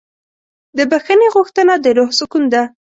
د بښنې غوښتنه د روح سکون ده.